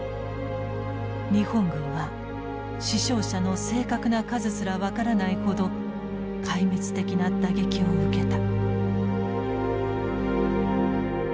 日本軍は死傷者の正確な数すら分からないほど壊滅的な打撃を受けた。